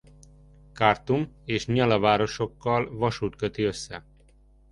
Kartúm és Nyala városokkal vasút köti össze.